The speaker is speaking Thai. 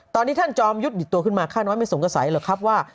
ตอนนี้ท่านจอมยุทธิดตัวขึ้นมาค่าน้อยไม่สงสัยหรอกครับว่า